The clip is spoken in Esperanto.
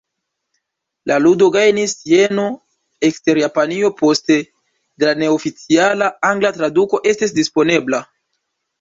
La ludo gajnis jeno ekster Japanio poste de la neoficiala angla traduko estis disponebla.